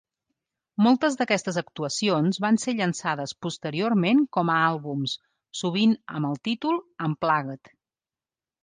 Moltes d'aquestes actuacions van ser llançades posteriorment com a àlbums, sovint amb el títol "Unplugged".